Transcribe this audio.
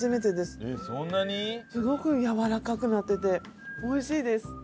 すごくやわらかくなってておいしいです。